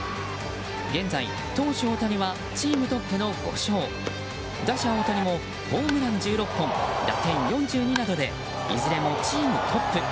現在、投手・大谷はチームトップの５勝打者・大谷もホームラン１６本打点４２などでいずれもチームトップ。